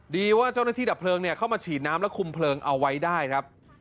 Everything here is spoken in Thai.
ดีว่าเจ้าหน้าที่ดับเพลิงเข้ามาฉีดน้ำและคุมเพลิงเอาไว้ได้ครับ